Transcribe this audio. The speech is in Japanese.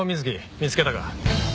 見つけたか？